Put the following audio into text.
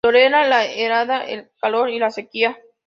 Tolera la helada, el calor y la sequía.